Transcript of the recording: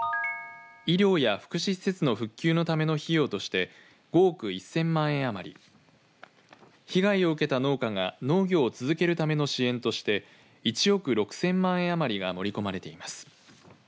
医療や福祉施設の復旧のための費用として５億１０００万円余り被害を受けた農家が農業を続けるための支援として１億６０００万円余りが盛り込まれています。